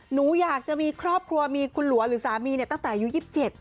หนูอยากจะมีครอบครัวมีคุณหลัวหรือสามีเนี่ยตั้งแต่อายุ๒๗